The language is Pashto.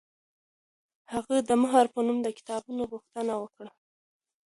هغې د مهر په نوم د کتابونو غوښتنه وکړه.